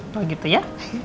kalau gitu ya